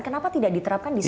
kenapa tidak diterapkan di sana